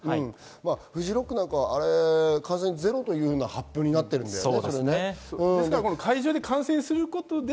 フジロックなんかは感染ゼロという発表になってるんだよね。